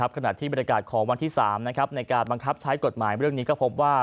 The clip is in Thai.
ขณะที่บรรยากาศของวันที่๓ในการบังคับใช้กฎหมายเรื่องนี้ก็พบว่า